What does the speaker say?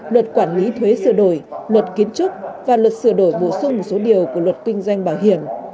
luật quản lý thuế sửa đổi luật kiến trúc và luật sửa đổi bổ sung một số điều của luật kinh doanh bảo hiểm